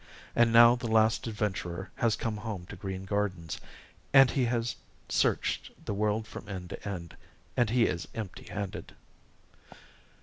And now the last adventurer has come home to Green Gardens and he has searched the world from end to end and he is empty handed."